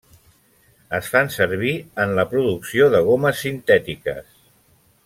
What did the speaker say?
Es fan servir en la producció de gomes sintètiques.